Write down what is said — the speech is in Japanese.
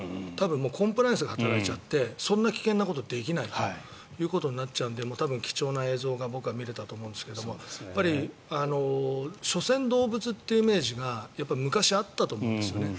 コンプライアンスが働いちゃってそんな危険なことできないとなっちゃうんで多分、貴重な映像が僕は見れたと思うんですが所詮、動物というイメージが昔あったと思うんですね。